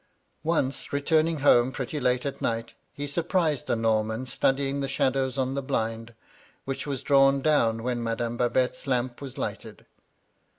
Once, returning home pretty late at night, he surprised the Norman studying the shadows on the blind, which was drawn down when Madame Babette's lamp was lighted.